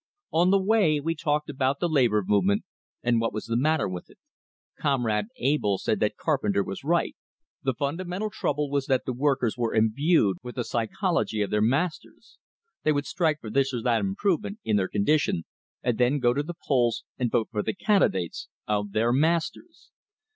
On the way we talked about the labor movement, and what was the matter with it. Comrade Abell said that Carpenter was right, the fundamental trouble was that the workers were imbued with the psychology of their masters. They would strike for this or that improvement in their condition, and then go to the polls and vote for the candidates of their masters.